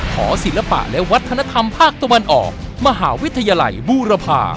หอศิลปะและวัฒนธรรมภาคตะวันออกมหาวิทยาลัยบูรพา